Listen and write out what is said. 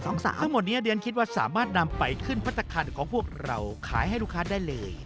ทั้งหมดนี้เรียนคิดว่าสามารถนำไปขึ้นพัฒนาคารของพวกเราขายให้ลูกค้าได้เลย